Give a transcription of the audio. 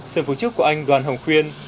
sườn phú trúc của anh đoàn hồng khuyên